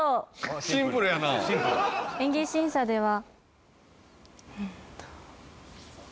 「演技審査では」